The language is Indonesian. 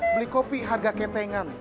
beli kopi harga ketengan